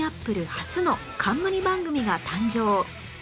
初の冠番組が誕生！